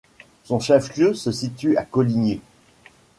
Son chef-lieu se situe à Colligny.